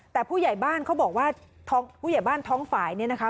แต่ผู้ใหญ่บ้านเขาบอกว่าท้องผู้ใหญ่บ้านท้องฝ่ายเนี่ยนะคะ